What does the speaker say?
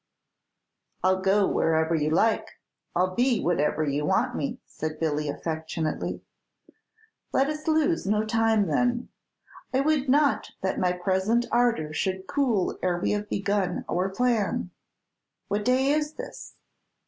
"I'll go wherever you like; I'll be whatever you want me," said Billy, affectionately. "Let us lose no time, then. I would not that my present ardor should cool ere we have begun our plan. What day is this?